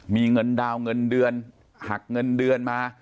มีเงินดาวนเงินเดือนหักเงินเดือนมา